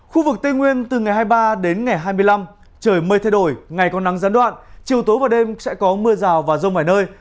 khu vực tây nguyên từ ngày hai mươi ba đến ngày hai mươi năm trời mây thay đổi ngày có nắng gián đoạn chiều tối và đêm sẽ có mưa rào và rông vài nơi